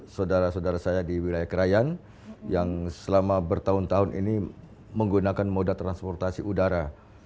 saudara saudara saya di wilayah krayan yang selama bertahun tahun ini menggunakan moda transportasi udara